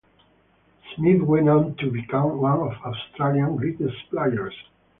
Smith went on to become one of Australia's greatest players.